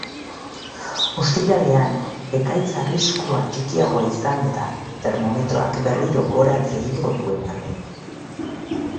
Ostiralean ekaitz arriskua txikiagoa izango da, termometroak berriro gorantz egingo duen arren.